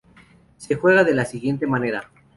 Se juega de la siguiente manera.